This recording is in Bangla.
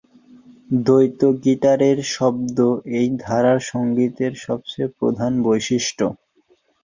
দ্বৈত গিটারের শব্দ এই ধারার সঙ্গীতের সবচেয়ে প্রধান বৈশিষ্ট্য।